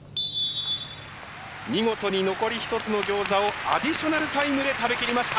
見事に残り一つのギョーザをアディショナルタイムで食べ切りました。